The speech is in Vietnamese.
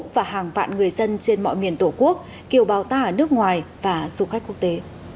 và hàng vạn người dân trên mọi miền tổ quốc kiều bào ta ở nước ngoài và du khách quốc tế